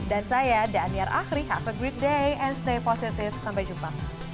dan saya daniar akhri have a great day and stay positive sampai jumpa